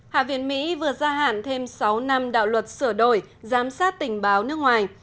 hạ viện mỹ vừa gia hạn thêm sáu năm đạo luật sửa đổi giám sát tình báo nước ngoài